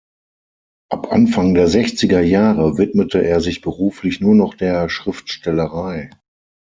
Ab Anfang der sechziger Jahre widmete er sich beruflich nur noch der Schriftstellerei.